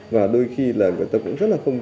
và đôi khi là người ta cũng rất là